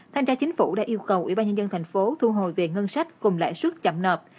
thanh tra chính phủ đã yêu cầu ủy ban nhân dân tp hcm thu hồi về ngân sách cùng lãi suất chậm nợp